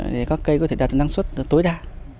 để các cây có thể đạt năng suất tối đa